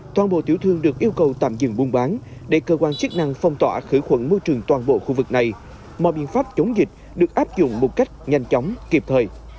toàn bộ tiểu thương được yêu cầu tạm dừng buôn bán để cơ quan chức năng phong tỏa khử khuẩn môi trường toàn bộ khu vực này mọi biện pháp chống dịch được áp dụng một cách nhanh chóng kịp thời